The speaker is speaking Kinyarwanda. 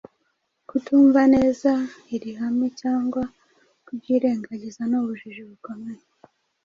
Kutumva neza iri hame cyangwa kuryirengagiza ni ubujiji bukomeye.